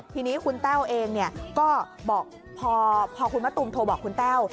ทีนี้คุณแต้วเองก็บอกพอคุณมะตูมโทรบอกคุณแต้ว